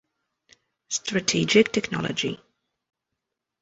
Strategic Technology.